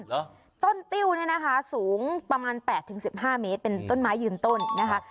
หรอต้นติ้วเนี้ยนะคะสูงประมาณแปดถึงสิบห้าเมตรเป็นต้นไม้ยืนต้นนะคะ